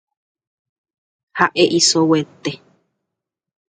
Ha’e isoguete.